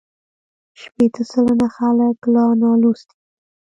شپېته سلنه خلک لا نالوستي دي.